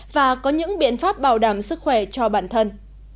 và có những biện pháp bảo đảm sức khỏe cho bản thân